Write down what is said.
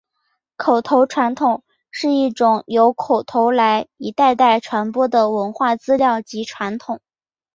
口头传统是一种由口头来一代代传播的文化资料及传统。